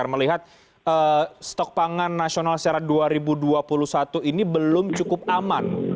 melihat stok pangan nasional secara dua ribu dua puluh satu ini belum cukup aman